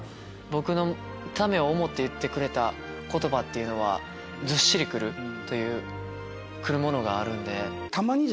僕のためを思って言ってくれた言葉っていうのはずっしり来るものがあるんで。